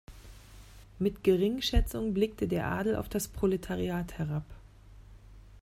Mit Geringschätzung blickte der Adel auf das Proletariat herab.